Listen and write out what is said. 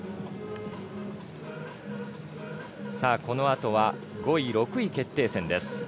このあとは５位６位決定戦です。